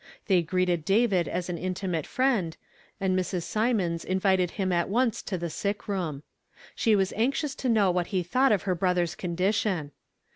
They greeted David as an intimate friend, and Mrs. Symonds invited him at once to the sick room ; she was anxious to know what he thought of their brother's condition.